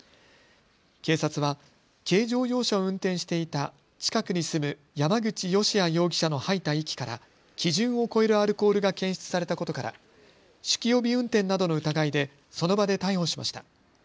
警察は軽乗用車を運転していた近くに住む山口芳也容疑者の吐いた息から基準を超えるアルコールが検出されたことから酒気帯び運転などの疑いでその場で逮捕しました。